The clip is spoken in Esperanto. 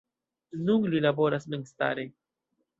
Nun li laboras memstare.